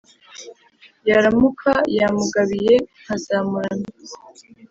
yaramuka yamugabiye nkazamuramya.